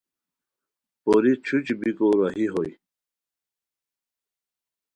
پوری چھوچی بیکو راہی ہوئے